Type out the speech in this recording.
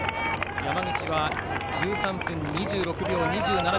山口は、１３分２６２７秒。